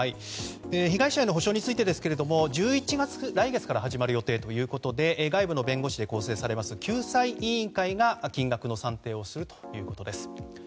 被害者への補償についてですが来月から始まる予定ということで外部の弁護士で構成される救済委員会が金額の算定をするということです。